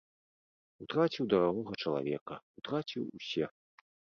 Утраціў дарагога чалавека, утраціў усе.